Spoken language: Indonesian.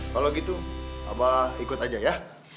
kalau gitu ikut aja ya